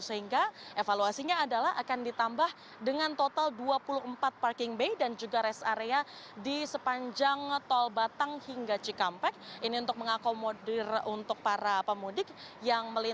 sehingga evaluasinya adalah akan ditambah dengan total dua puluh empat parking bay dan juga rest area di sepanjang tol batang dan jalan jalan jalan